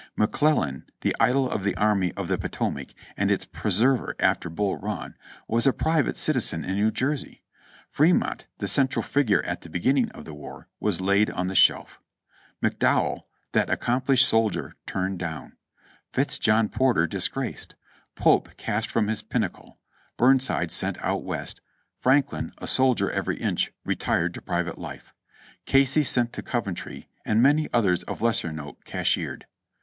McClellan, the idol of the Army of the Potomac and its preserver after Bull Run, was a private citizen in New Jersey; Fremont, the central figin e at the be ginning of the war, was laid on the shelf; McDowell, that accom plished soldier, turned down ; Fitz John Porter disgraced ; Pope cast from his pinnacle ; Burnside sent out West ; Franklin, a soldier every inch, retired to private life ; Casey sent to Coventry and many others of lesser note cashiered.